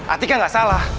atika nggak salah